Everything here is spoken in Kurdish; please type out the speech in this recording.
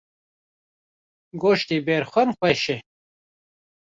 Goştê berxan xweş e.